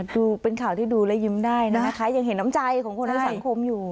ดูเป็นข่าวที่ดูและยิ้มได้นะคะยังเห็นน้ำใจของคนทั้งสังคมอยู่